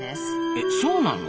えそうなの！？